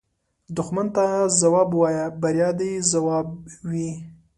دښمن ته مه ځواب وایه، بریا دې ځواب وي